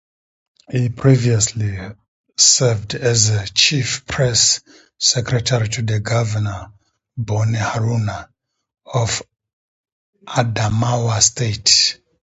He previously served as Chief Press Secretary to Governor Boni Haruna of Adamawa State.